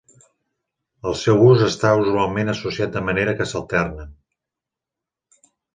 El seu ús està usualment associat de manera que s'alternen.